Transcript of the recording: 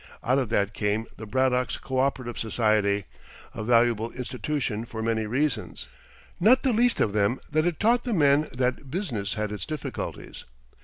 Out of that came the Braddock's Coöperative Society, a valuable institution for many reasons, not the least of them that it taught the men that business had its difficulties.